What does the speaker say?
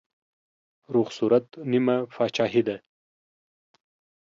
روغ صورت نيمه پاچاهي ده.